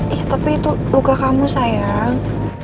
ih tapi itu luka kamu sayang